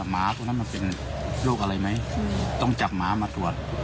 หมาตัวนั้นมันเป็นโรคอะไรไหมต้องจับหมามาตรวจ